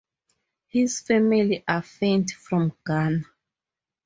His family are Fante from Ghana.